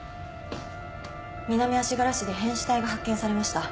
南足柄市で変死体が発見されました。